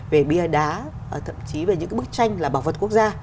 về bia đá thậm chí về những cái bức tranh là bảo vật quốc gia